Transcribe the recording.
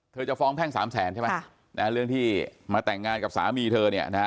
จะฟ้องแพ่งสามแสนใช่ไหมเรื่องที่มาแต่งงานกับสามีเธอเนี่ยนะฮะ